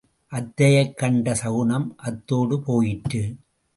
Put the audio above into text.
அத்தையைக் கண்ட சகுனம் அத்தோடு போயிற்று.